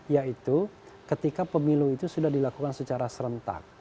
yaitu ketika pemilu itu sudah dilakukan secara serentak